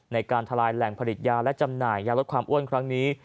ในการทลายแหล่งผลิตยาและจำหน่ายยาลดความอ้วนครั้งนี้